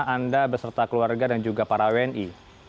anda beserta keluarga dan juga para wni